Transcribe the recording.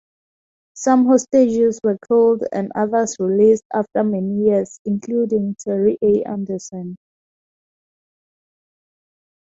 Some hostages were killed and others released after many years, including Terry A. Anderson.